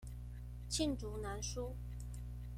罄竹難書